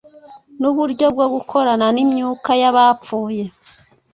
n’uburyo bwo gukorana n’imyuka y’abapfuye,